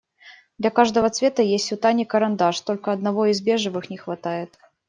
Для каждого цвета есть у Тани карандаш, только одного из бежевых не хватает.